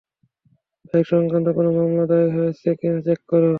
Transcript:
Bike সংক্রান্ত কোন মামলা, দায়ের হয়েছে কিনা চেক কর।